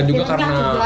dan juga karena